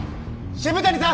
渋谷さん！